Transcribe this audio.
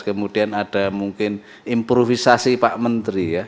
kemudian ada mungkin improvisasi pak menteri ya